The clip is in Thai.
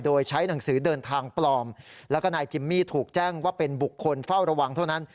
โดยใช้หนังสือเดินทางปลอมแล้วก็นายจิมมี่ถูกแจ้งว่าเป็นบุคคลเฝ้าระวังเท่านั้น